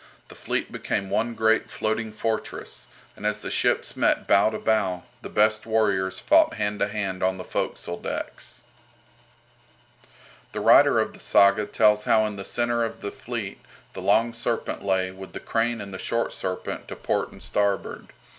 The fleet became one great floating fortress, and as the ships met bow to bow the best warriors fought hand to hand on the forecastle decks. [Illustration: A VIKING FLEET] The writer of the "Saga" tells how in the centre of the fleet the "Long Serpent" lay, with the "Crane" and the "Short Serpent" to port and starboard.